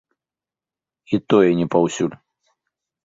І тое не паўсюль.